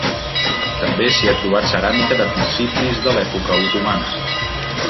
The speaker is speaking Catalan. També s'hi ha trobat ceràmica de principis de l'època otomana.